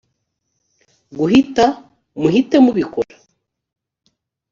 guhita : muhite mubikora